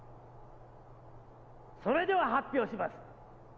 ・それでは発表します！